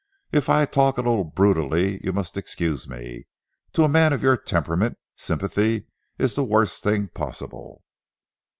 If I talk a little brutally, you must excuse me. To a man of your temperament, sympathy is the worst thing possible."